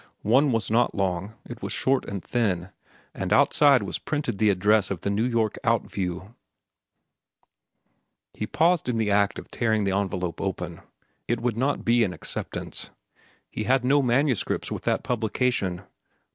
One was not long. It was short and thin, and outside was printed the address of The New York Outview. He paused in the act of tearing the envelope open. It could not be an acceptance. He had no manuscripts with that publication.